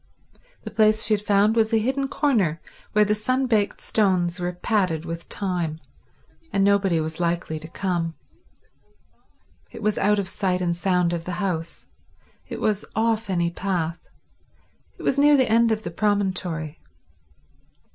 The place she had found was a hidden corner where the sun baked stones were padded with thyme, and nobody was likely to come. It was out of sight and sound of the house; it was off any path; it was near the end of the promontory.